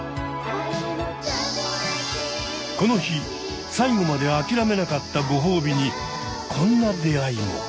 この日最後まであきらめなかったご褒美にこんな出会いも。